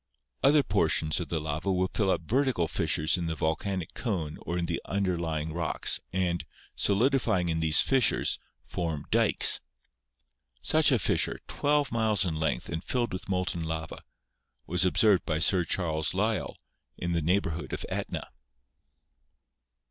Other portions of the lava will fill up vertical fissures in the volcanic cone or in the underlying rocks, and, solidifying in these fissures, form 'dykes.' Such a fissure, twelve miles in length and filled with molten lava, was observed by Sir Charles Lyell in the neighborhood of Etna.